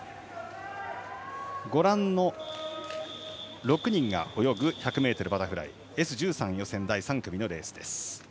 ご覧の６人が泳ぐ１００ｍバタフライＳ１３予選第３組のレース。